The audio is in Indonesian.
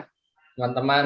terima kasih teman teman